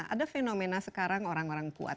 ada fenomena sekarang orang orang kuat